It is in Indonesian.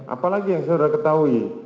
apa lagi yang saudara ketahui